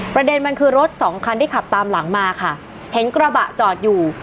ประเด็นมันคือรถสองคันที่ขับตามหลังมาค่ะเห็นกระบะจอดอยู่